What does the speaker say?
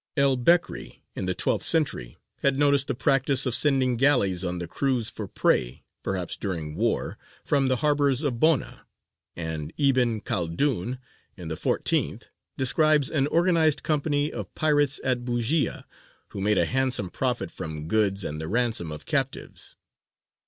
El Bekrī, in the twelfth century, had noticed the practice of sending galleys on the cruise for prey (perhaps during war) from the harbours of Bona; and Ibn Khaldūn, in the fourteenth, describes an organized company of pirates at Bujēya, who made a handsome profit from goods and the ransom of captives.